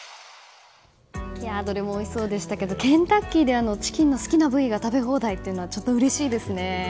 どれもおいしそうでしたけどケンタッキーでチキンの好きな部位が食べ放題っていうのはちょっとうれしいですよね。